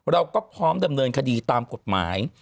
เราก็พร้อมดำเนินคดีตามกฎหมาย